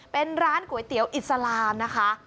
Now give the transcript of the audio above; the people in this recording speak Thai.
เป็นร้านก๋วยเตี๋ยวอิสลามนะคะ